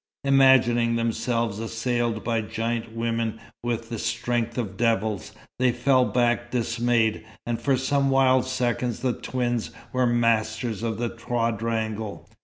Imagining themselves assailed by giant women with the strength of devils, they fell back dismayed, and for some wild seconds the twins were masters of the quadrangle.